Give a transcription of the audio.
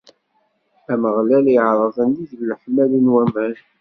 Ameɣlal iṛeɛɛed nnig n leḥmali n waman.